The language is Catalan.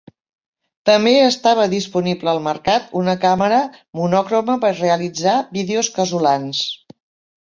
També estava disponible al mercat una càmera monocroma per realitzar vídeos casolans.